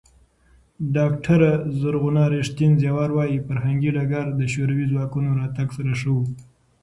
ډاکټره زرغونه ریښتین زېور وايي، فرهنګي ډګر د شوروي ځواکونو راتګ سره ښه و.